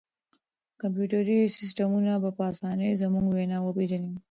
کمپیوټري سیسټمونه به په اسانۍ زموږ وینا وپېژني.